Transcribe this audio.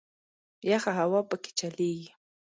یخه هوا په کې چلیږي.